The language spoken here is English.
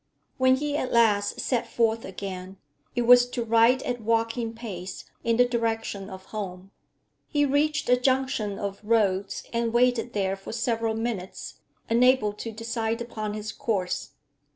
When he at last set forth again, it was to ride at walking pace in the direction of home. He reached a junction of roads, and waited there for several minutes, unable to decide upon his course.